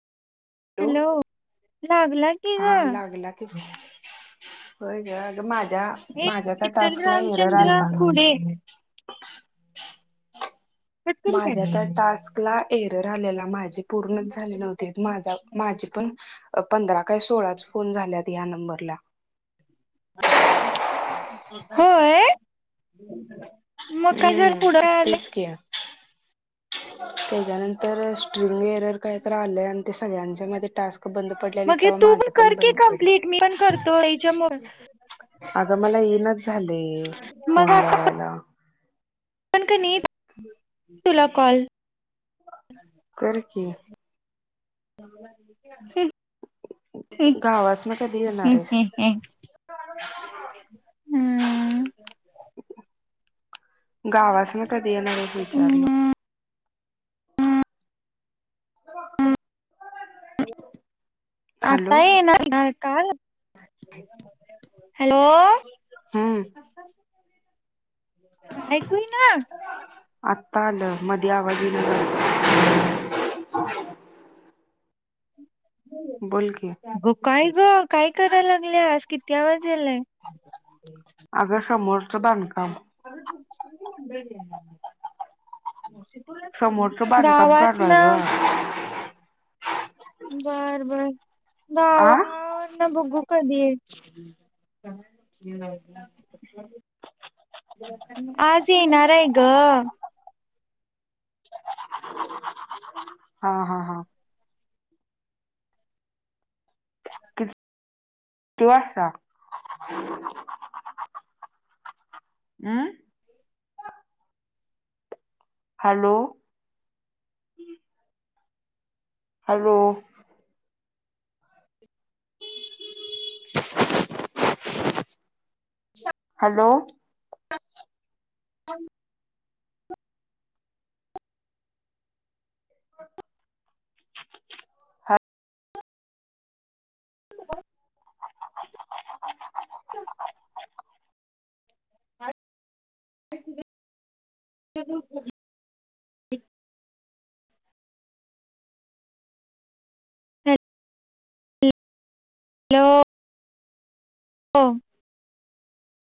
Hello लागला की ग. हा लागला की होय ग अग माझ्या ए माझ्या त्या विठ्ठल टास्कला एरर रामचंद्र आलता. खुडे पटकन कर माझ्या त्या टास्क ला एरर आलेला माझे पूर्णच झाले न्हवते. माझा माझे पण पंधरा काय सोळाच फोन झाल्यात या नंबरला होय. म काय झालं पुढ आले. क्या? त्याच्यानंतर स्ट्रिंग एरर काय? तर आलंय आणि ते सगळ्यांच्या मध्ये टास्क बंद पडल्यालीत मग हे तवा तू माझं कर पण की बंद पडल. कंप्लीट मी पण करतो याच्या आग मला येईनाच झालय फोन मग आता लावायला. पण कनी तुला कॉल कर की ह् हम् हम् गावासन कधी येणार आहेस हम्म हम्म. हम्म. गावास न कधी येणार आहेत विचारलो आता हॅलो येणार की काल हॅलो हम्म ऐकू येईना. आत्ता आलं मध्ये आवज येईना झालता. बोल की अग काय ग काय कराय लागल्यास किती आवाज यालाय. अगं समोरचं बांधकाम अग तुमची ती मंडळी येणार आहेत. समोरचं बांधकाम चालू गावासन. आहे गं बर बर आ दावा न भुगू. कधीये? आज येणार, हाय गं. [unintelligible] हा हा हा. तू असा [unintelligible] हम hello! Hello! [unintelligible] Hello! [unintelligible] Hello! [unintelligible] [unintelligible] Hello! [unintelligible]